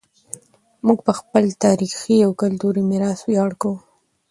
موږ په خپل تاریخي او کلتوري میراث ویاړ کوو.